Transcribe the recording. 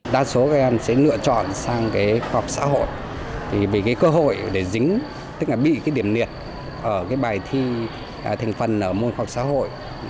đa số các em sẽ lựa chọn sang khoa học xã hội vì cơ hội để dính tức là bị điểm niệt ở bài thi thành phần môn khoa học xã hội